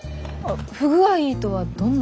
不具合とはどんな？